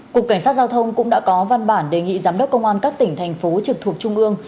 cục cảnh sát giao thông cũng đã có văn bản đề nghị giám đốc công an các tỉnh thành phố trực thuộc trung ương